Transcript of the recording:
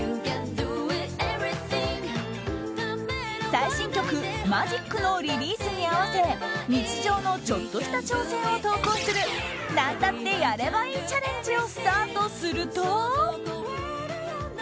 最新曲「ｍａｇｉｃ！」のリリースに合わせ日常のちょっとした挑戦を投稿する何だってやればいいチャレンジをスタートすると。